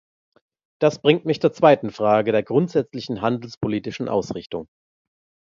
Das bringt mich zur zweiten Frage der grundsätzlichen handelspolitischen Ausrichtung.